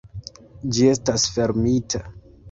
Ĝi estas fermita.